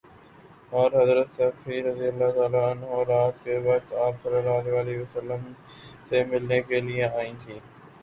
اور حضرت صفیہ رضی اللہ عنہا رات کے وقت آپ صلی اللہ علیہ وسلم سے ملنے کے لیے آئی تھیں